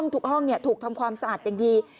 ห้องถูกทำความสะอาดอย่างดี